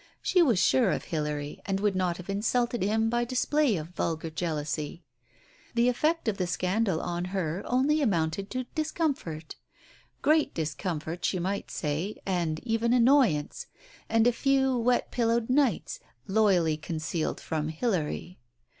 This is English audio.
She was sure of Hilary, and would not have insulted him by display of vulgar jealousy. The effect of the scandal on her only amounted to discomfort. Great discomfort she might say, and even annoyance, Digitized by Google 76 TALES OF THE UNEASY and a few wet pillowed nights, loyally concealed from Hilary.